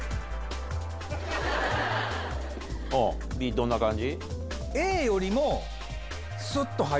どんな感じ？